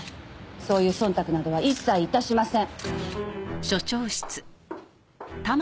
そういう忖度などは一切致しません。